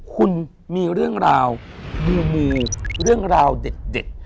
คุณมีเรื่องราวมูเรื่องราวเด็ด